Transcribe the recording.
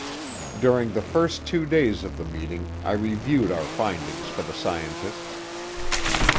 During the first two days of the meeting I reviewed our findings for the scientists.